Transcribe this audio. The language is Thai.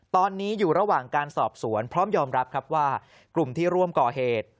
ตอนนี้อยู่ระหว่างการสอบสวนพร้อมยอมรับครับว่ากลุ่มที่ร่วมก่อเหตุ